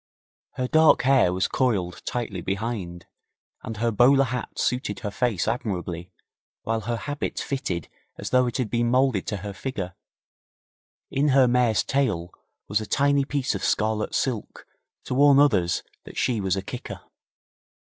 Her dark hair was coiled tightly behind, and her bowler hat suited her face admirably while her habit fitted as though it had been moulded to her figure. In her mare's tail was a tiny piece of scarlet silk to warn others that she was a kicker.